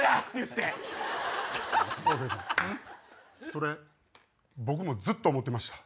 それ僕もずっと思ってました。